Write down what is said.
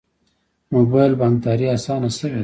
موبایل بانکداري اسانه شوې ده